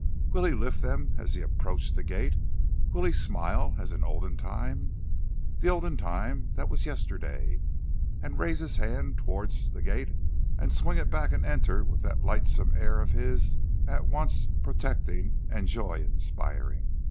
Will he lift them as he approaches the gate? Will he smile, as in the olden time the olden time that was yesterday and raise his hand towards the gate and swing it back and enter with that lightsome air of his at once protecting and joy inspiring?